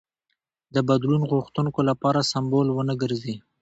د بدلون غوښتونکو لپاره سمبول ونه ګرځي.